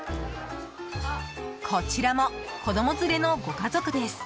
こちらも、子供連れのご家族です。